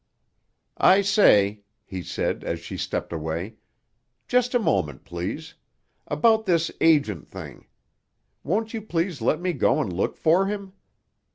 "I say," he said as she stepped away. "Just a moment, please. About this agent thing. Won't you please let me go and look for him?"